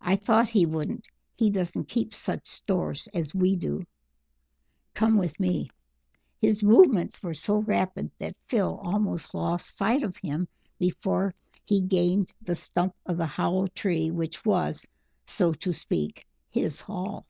"I thought he wouldn't. He doesn't keep such stores as we do. Come with me." His movements were so rapid that Phil almost lost sight of him before he gained the stump of the hollow tree which was, so to speak, his hall.